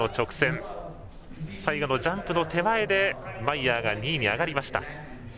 最後のジャンプの手前でマイヤーが２位に上がりました。